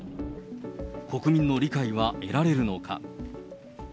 国民の理解は得られるのか。